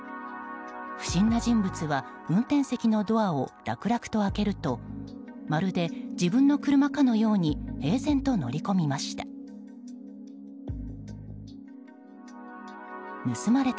不審な人物は運転席のドアを楽々と開けるとまるで自分の車かのように平然と乗り込みました。